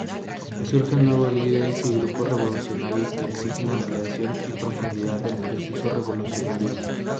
Surgen nuevos líderes y grupos revolucionarios que exigen ampliación y profundidad del proceso revolucionario.